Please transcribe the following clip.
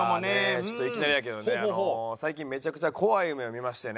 ちょっといきなりやけどね最近めちゃくちゃ怖い夢を見ましてね。